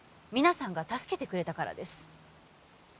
皆さんが助けてくれたからです